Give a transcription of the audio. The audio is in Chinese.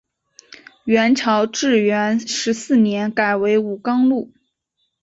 元朝至元十四年改为武冈路。